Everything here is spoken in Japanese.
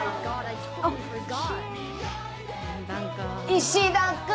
石田君！